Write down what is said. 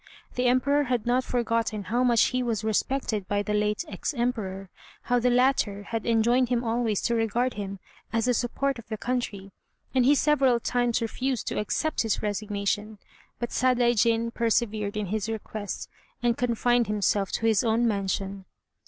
The Emperor had not forgotten how much he was respected by the late ex Emperor, how the latter had enjoined him always to regard him as a support of the country, and he several times refused to accept his resignation; but Sadaijin persevered in his request, and confined himself to his own mansion.